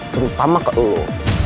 terutama ke lo